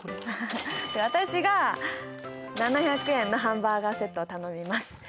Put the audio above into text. で私が７００円のハンバーガーセットを頼みます。